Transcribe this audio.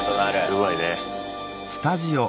うまいね。